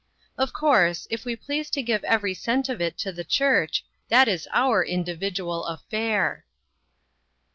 Of course, if we please to give every cent of it to the church, that is our individual affair."